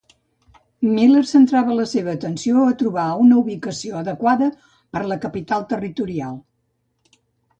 Miller centrava la seva atenció a trobar una ubicació adequada per a la capital territorial.